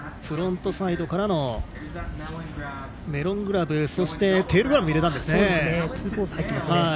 フロントサイドからのメロングラブそしてテールグラブも入れました。